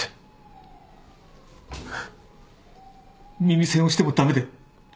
耳栓をしても駄目で。